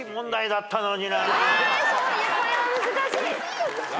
これは難しい。